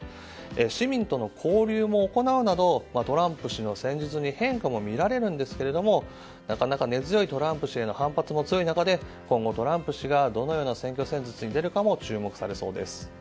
市民との交流も行うなどトランプ氏の戦術に変化もみられるんですが根強いトランプ氏への反発も強い中で今後、トランプ氏がどのような選挙戦術に出るかも注目されそうです。